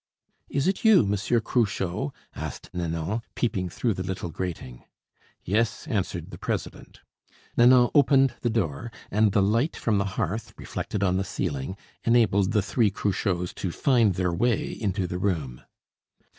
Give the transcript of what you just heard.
"Is it you, Monsieur Cruchot?" asked Nanon, peeping through the little grating. "Yes," answered the president. Nanon opened the door, and the light from the hearth, reflected on the ceiling, enabled the three Cruchots to find their way into the room.